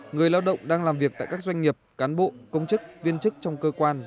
người lao động đang làm việc tại các doanh nghiệp cán bộ công chức viên chức trong cơ quan